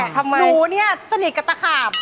ทำไมหนูสนิทกับตะขาบ